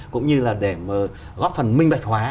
cũng như là để góp phần minh bạch hóa